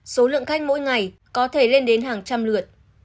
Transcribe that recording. số lượng khách mỗi ngày có thể lên đến hàng trăm lượt